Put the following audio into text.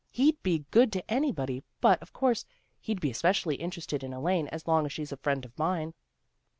He'd be good to anybody, but, of course, he'd be especially interested in Elaine as long as she's a friend of mine."